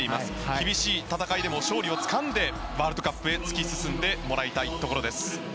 厳しい戦いでも勝利をつかんでワールドカップへ突き進んでもらいたいところ。